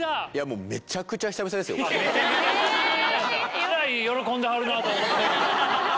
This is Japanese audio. えらい喜んではるなと思った。